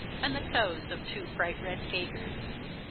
and the toes of two bright red gaiters.